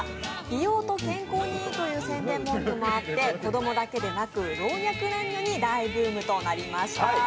美容と健康に良いという宣伝文句があって、子供だけでなく、老若男女に大ブームとなりました。